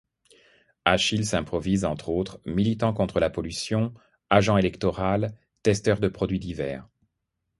Achille s'improvise entre autres, militant contre la pollution, agent électoral, testeur de produits divers.